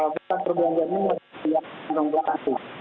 pusat perbelanjaan ini harus diantong belakang